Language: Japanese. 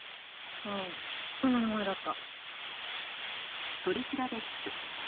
あそんな名前だった。